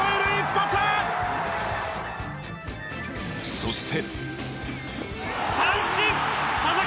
そして